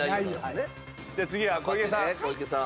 次は小池さん。